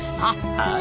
はい。